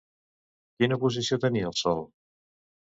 Quina posició tenia el sol?